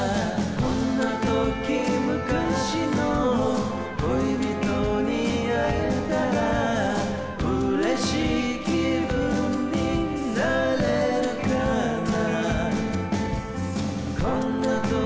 「こんな時昔の友達に会えたらたのしい気分になれるかな」